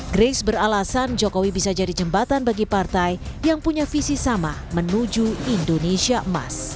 grace beralasan jokowi bisa jadi jembatan bagi partai yang punya visi sama menuju indonesia emas